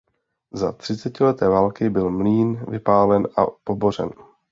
Za třicetileté války byl mlýn vypálen a pobořen.